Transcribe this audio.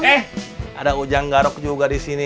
eh ada ujang garok juga disini